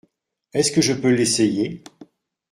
Est-ce que je peux l’essayer ?